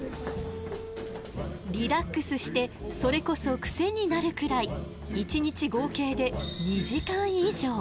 リラックスしてそれこそクセになるくらい１日合計で２時間以上。